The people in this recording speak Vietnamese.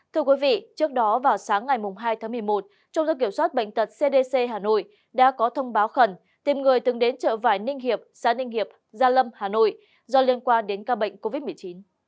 thưa quý vị trước đó vào sáng ngày hai tháng một mươi một trung tâm kiểm soát bệnh tật cdc hà nội đã có thông báo khẩn tìm người từng đến chợ vải ninh hiệp xã ninh hiệp gia lâm hà nội do liên quan đến ca bệnh covid một mươi chín